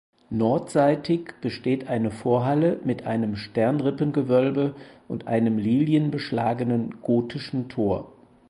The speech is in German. Nordseitig besteht eine Vorhalle mit einem Sternrippengewölbe und einem lilienbeschlagenen gotischen Tor.